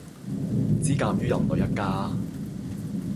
茲鑒於人類一家